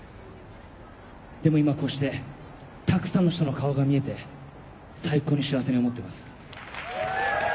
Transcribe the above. でも今こうしてたくさんの人の顔が見えて最高に幸せに思ってます。